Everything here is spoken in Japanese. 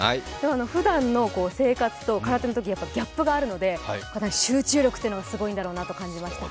ふだんの生活とのギャップがあるので、集中力っていうのがすごいんだろうなと感じました。